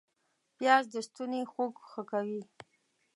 پیاز د ستوني خوږ ښه کوي